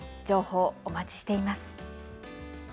情報、お待ちしています。